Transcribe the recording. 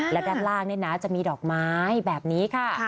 และด้านล่างนี่นะจะมีดอกไม้แบบนี้ค่ะ